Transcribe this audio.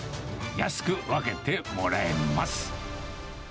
安く分けてもらえます。